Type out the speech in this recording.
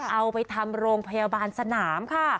เอาไปทำโรงพยาบาลสนามค่ะ